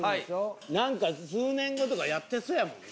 なんか数年後とかやってそうやもんな。